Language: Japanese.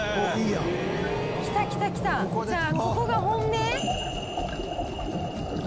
「じゃあここが本命？」